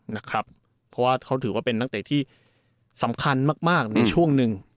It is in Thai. เพราะว่าเขาถือว่าเป็นนักเตะที่สำคัญมากในช่วงหนึ่ง